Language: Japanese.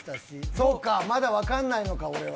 そうか、まだ分かんないのか、俺は。